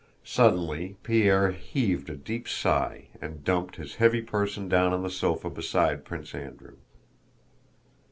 Suddenly Pierre heaved a deep sigh and dumped his heavy person down on the sofa beside Prince Andrew.